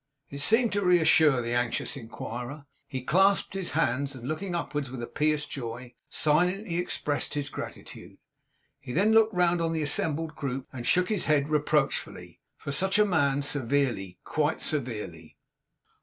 It seemed to reassure the anxious inquirer. He clasped his hands and, looking upwards with a pious joy, silently expressed his gratitude. He then looked round on the assembled group, and shook his head reproachfully. For such a man severely, quite severely.